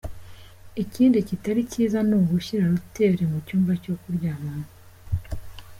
Ikindi kitari cyiza ni ugushyira routeur mu cyumba cyo kuryamamo .